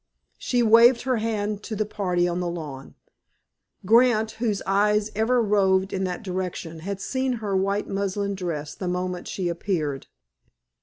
She waved her hand to the party on the lawn. Grant, whose eyes ever roved in that direction, had seen her white muslin dress the moment she appeared.